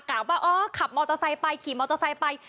ว่าอ๋อขับมอเตอร์ไซค์ไปขี่มอเตอร์ไซค์ไป